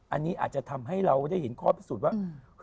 อันนี้อาจจะทำให้เราได้เห็นข้อพิสูจน์ว่า